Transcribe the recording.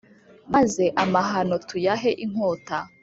maze amahano tuyahe inkota